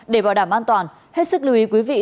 để bảo đảm an toàn hết sức lưu ý quý vị